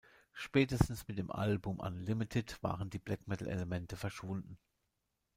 Spätestens mit dem Album "Unlimited" waren die Black-Metal-Elemente verschwunden.